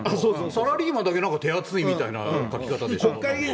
サラリーマンだけ手厚いみたいな書き方でしょ。